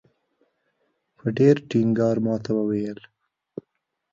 په ډېر ټینګار ماته وویل.